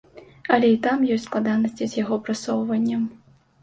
Але і там ёсць складанасці з яго прасоўваннем.